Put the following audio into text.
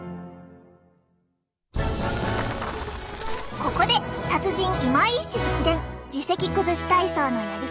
ここで達人今井医師直伝耳石崩し体操のやり方！